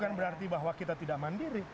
bukan berarti bahwa kita tidak mandiri